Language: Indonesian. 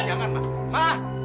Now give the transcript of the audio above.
ma jangan ma ma